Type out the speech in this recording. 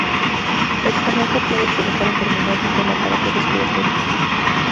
El tabaco puede provocar enfermedades del aparato respiratorio.